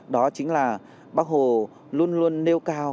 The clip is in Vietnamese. đó chính là bác hồ luôn luôn nêu cao